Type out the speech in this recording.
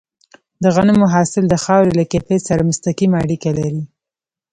د غنمو حاصل د خاورې له کیفیت سره مستقیمه اړیکه لري.